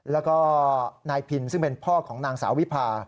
แล้วก็นายพินซึ่งเป็นพ่อของนางสาววิพา